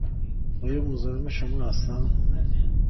آیا مزاحم شما هستم؟